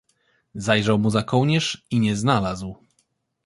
Zajrzał mu za kołnierz i nie znalazł.